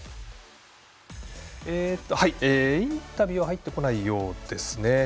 インタビューは入ってこないようですね。